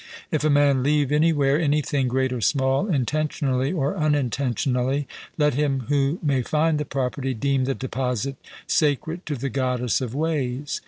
If a man leave anywhere anything great or small, intentionally or unintentionally, let him who may find the property deem the deposit sacred to the Goddess of ways.